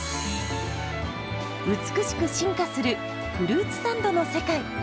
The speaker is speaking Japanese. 美しく進化するフルーツサンドの世界。